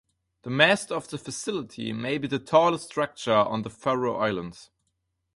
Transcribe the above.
The mast of the facility may be the tallest structure on the Faroe Islands.